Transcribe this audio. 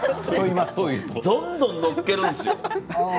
どんどん載っているんですよ。